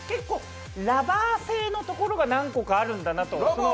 ラバー製のところが何個かあるんだなと。